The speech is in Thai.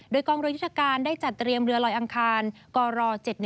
โดยกองเรือยุทธการได้จัดเตรียมเรือลอยอังคารกร๗๑